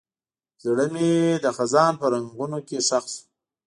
زړه مې د خزان په رنګونو کې ښخ شو.